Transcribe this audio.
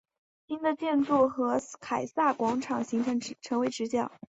新的建筑和凯撒广场成为直角。